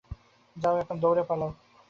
যাও এখন, দৌড়ে পালাও!